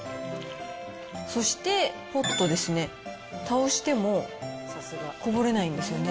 そして、ポットですね、倒してもこぼれないんですよね。